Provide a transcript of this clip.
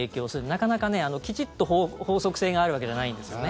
なかなかきちっと法則性があるわけじゃない。